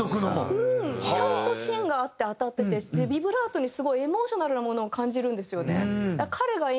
ちゃんと芯があって当たっててビブラートにすごいエモーショナルなものを感じるんですよね。